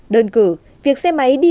đơn cử việc xe máy đi